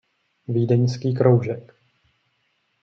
Vídeňský kroužek.